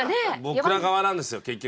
僕ら側なんですよ結局。